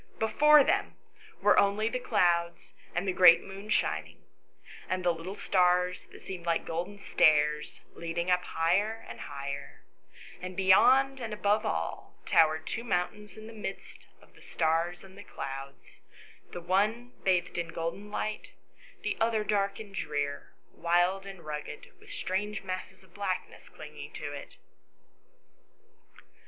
Before them xr.] THE STORY OF WILLIE AND FANCY. 121 were only the clouds and the great rnoon shining, and the little stars that seemed like golden stairs leading up higher and higher; and beyond and above all towered two mountains in the midst of the stars and the clouds ; the one bathed in golden light ; the other dark and drear,' wild and rugged with strange masses of blackness clinging to it.